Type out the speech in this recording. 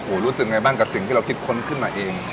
รู้สึกไงบ้างกับสิ่งที่เราคิดค้นขึ้นมาเอง